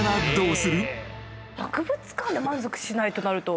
博物館で満足しないとなると。